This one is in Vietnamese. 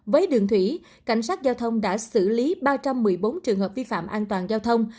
với đường thủy cảnh sát giao thông đã xử lý ba trăm một mươi bốn trường hợp vi phạm an toàn giao thông